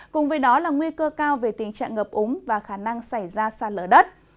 cùng với đó là nguy cơ cao về tình trạng ngập úng và khả năng xảy ra xa lở đất